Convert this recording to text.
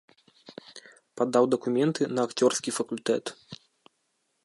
Падаў дакументы на акцёрскі факультэт.